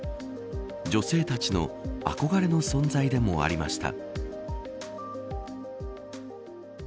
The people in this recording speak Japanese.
女性たちの憧れの存在でもありました。